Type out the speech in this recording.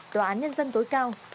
tòa án nhân dân tối cao